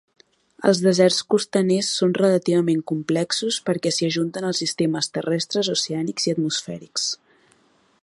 Els deserts costaners són relativament complexos perquè s'hi ajunten els sistemes terrestres, oceànics i atmosfèrics.